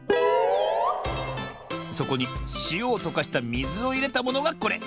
そこにしおをとかしたみずをいれたものがこれ。